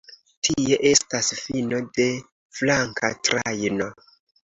Tie estas fino de flanka trajno.